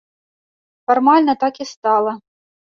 Фармальна так і стала.